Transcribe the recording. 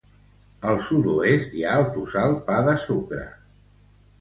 Al sud-oest hi ha el tossal Pa de Sucre.